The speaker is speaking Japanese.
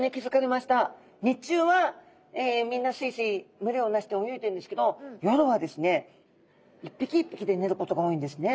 日中はみんなスイスイ群れを成して泳いでるんですけど夜はですね一匹一匹で寝ることが多いんですね。